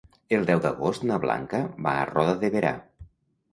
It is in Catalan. El deu d'agost na Blanca va a Roda de Berà.